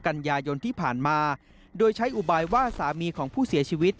กันยายนที่ผ่านมาโดยใช้อุบายว่าสามีของผู้เสียชีวิต